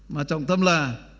mà trọng tâm là